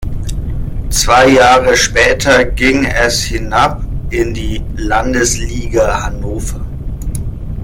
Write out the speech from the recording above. Zwei Jahre später ging es hinab in die Landesliga Hannover.